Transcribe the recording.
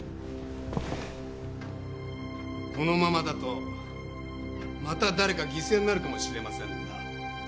このままだとまた誰か犠牲になるかもしれませんな。